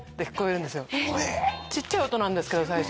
ちっちゃい音なんですけど最初。